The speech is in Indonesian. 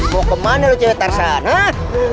mau kemana lu cewe terserah